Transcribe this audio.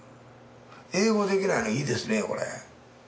英語できないのいいですねこれ。